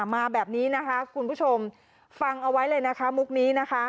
มาแบบนี้นะคะคุณผู้ชมฟังเอาไว้เลยนะคะมุกนี้นะคะ